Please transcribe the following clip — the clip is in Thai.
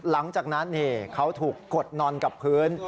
หลังจากนั้นเขาถูกกดนอนกับพื้น